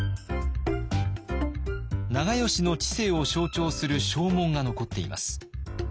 長慶の治世を象徴する証文が残っています。